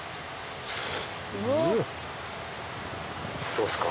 どうですか？